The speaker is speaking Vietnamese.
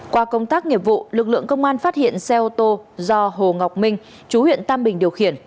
qua công tác nghiệp vụ lực lượng công an phát hiện xe ô tô do hồ ngọc minh chú huyện tam bình điều khiển